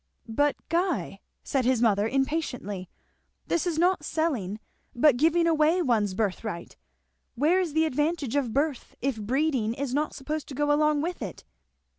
"But Guy!" said his mother impatiently; "this is not selling but giving away one's birthright. Where is the advantage of birth if breeding is not supposed to go along with it.